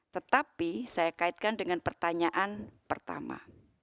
tetapi saya kaitkan dengan pertanyaan pertama